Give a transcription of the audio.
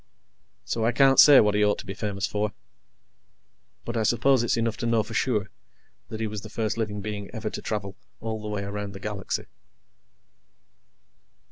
So, I can't say what he ought to be famous for. But I suppose it's enough to know for sure that he was the first living being ever to travel all the way around the galaxy.